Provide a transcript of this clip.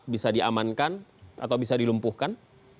bisa diamankan atau bisa dilumpuhkan